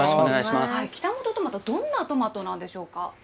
北本トマト、どんなトマトなんでしょうか。